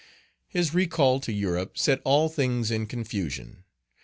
His recall to Europe set all things in confusion.